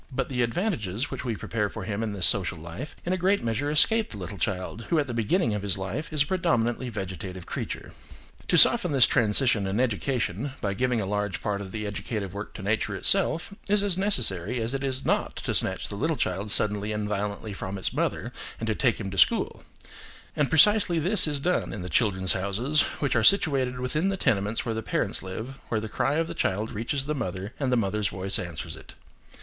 But the advantages which we prepare for him in this social life, in a great measure escape the little child, who at the beginning of his life is a predominantly vegetative creature. To soften this transition in education, by giving a large part of the educative work to nature itself, is as necessary as it is not to snatch the little child suddenly and violently from its mother and to take him to school; and precisely this is done in the "Children's Houses," which are situated within the tenements where the parents live, where the cry of the child reaches the mother and the mother's voice answers it.